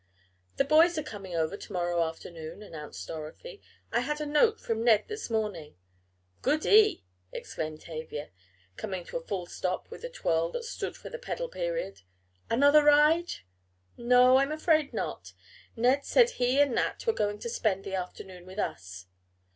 "The boys are coming over to morrow afternoon," announced Dorothy, "I had a note from Ned this morning." "Goody," exclaimed Tavia, coming to a full stop with a twirl that stood for the pedal period. "Another ride?" "No, I'm afraid not. Ned said he and Nat were going to spend the afternoon with us."